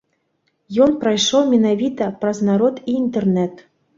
Ён прайшоў менавіта праз народ і інтэрнэт.